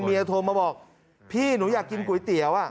โทรมาบอกพี่หนูอยากกินก๋วยเตี๋ยว